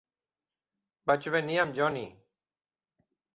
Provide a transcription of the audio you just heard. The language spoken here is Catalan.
Vaig venir amb Johnny.